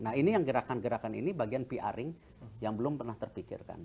nah ini yang gerakan gerakan ini bagian pr yang belum pernah terpikirkan